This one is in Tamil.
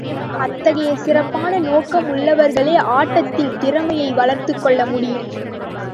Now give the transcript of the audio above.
அத்தகைய சிறப்பான நோக்கம் உள்ளவர்களே ஆட்டத்தில் திறமையை வளர்த்துக்கொள்ள முடியும்.